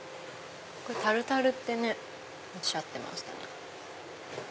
タルタルっておっしゃってました。